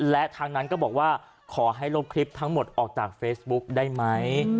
และทางนั้นก็บอกว่าขอให้ลบคลิปทั้งหมดออกจากเฟซบุ๊กได้ไหม